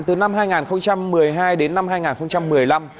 từ năm hai nghìn một mươi hai đến năm hai nghìn một mươi năm